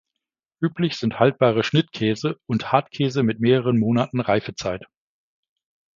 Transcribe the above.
Üblich sind haltbare Schnittkäse und Hartkäse mit mehreren Monaten Reifezeit.